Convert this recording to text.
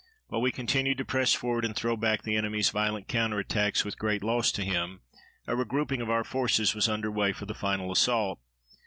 While we continued to press forward and throw back the enemy's violent counter attacks with great loss to him, a regrouping of our forces was under way for the final assault.